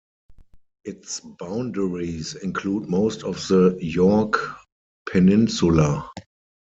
Its boundaries include most of the Yorke Peninsula.